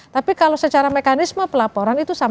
tapi kalau secara mekanisme pelaporan itu sama